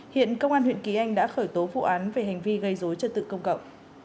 hiện công an huyện kỳ anh đã khởi tố vụ án về hành vi gây dối trật tự công cộng